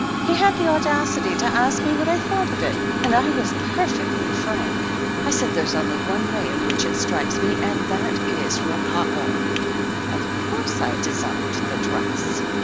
He had the audacity to ask me what I thought of it, and I was perfectly frank. I said there's only one way in which it strikes me, and that is — ^rococo !" "Of course, I designed the dress.